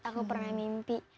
aku pernah mimpi